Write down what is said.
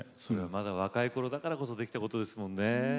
まだ若いころだからこそできたことですものね。